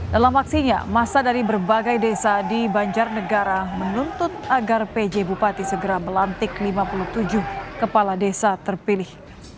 dalam aksinya masa dari berbagai desa di banjarnegara menuntut agar pj bupati segera melantik lima puluh tujuh kepala desa terpilih